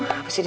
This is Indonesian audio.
apa sih dia